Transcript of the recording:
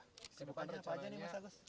kesibukannya apa aja nih mas agus